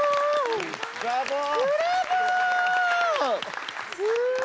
ブラボー！